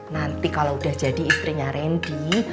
nanti kalau udah jadi istrinya randy